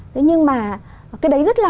thế nhưng mà cái đấy rất là